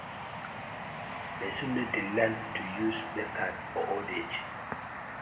Person no dey learn to use left hand for old age: